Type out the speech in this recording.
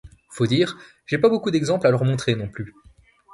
Faut dire, j'ai pas beaucoup d'exemples à leur montrer non plus.